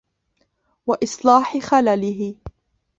وَإِصْلَاحِ خَلَلِهِ